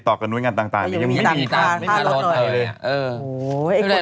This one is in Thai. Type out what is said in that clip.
อก็ยังไม่มีการทศาสตร์เหมือนกันเลย